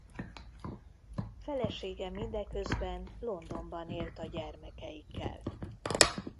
Felesége mindeközben Londonban élt a gyermekeikkel.